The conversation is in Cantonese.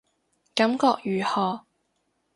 感覺如何